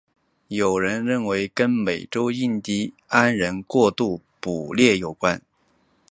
有人认为跟美洲印第安人过度捕猎有关。